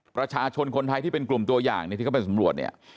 ประชาชนคนไทยที่เป็นกลุ่มตัวอย่างที่เขาไปสำรวจเนี่ย